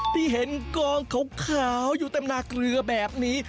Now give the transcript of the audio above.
ที่เห็นกองขาวอยู่เต็มนาเกลือแบบนี้